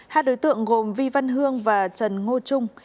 hai đối tượng gồm vi văn hương và trần ngô trung